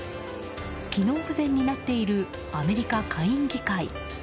機能不全になっているアメリカ下院議会。